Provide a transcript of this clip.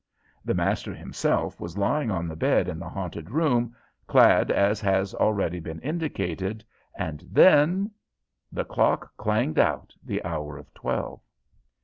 The master himself was lying on the bed in the haunted room, clad as has already been indicated, and then The clock clanged out the hour of twelve.